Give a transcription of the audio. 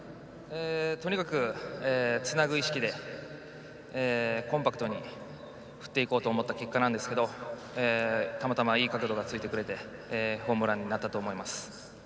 とにかくつなぐ意識でコンパクトに振っていこうと思った結果なんですけれどたまたまいい角度がついてくれてホームランになったと思います。